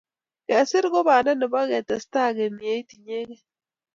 Kesir ko panda ne bo ketestai kemieit inyegei